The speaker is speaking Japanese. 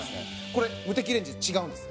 これムテキレンジ違うんです。